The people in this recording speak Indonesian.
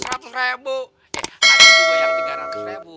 ada juga yang tiga ratus ribu